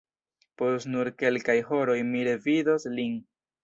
Post nur kelkaj horoj mi revidos lin!